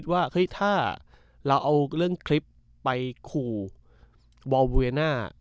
ว่าเฮ้ยถ้าเราเอาเรื่องคลิปไปขู่วอลเวน่า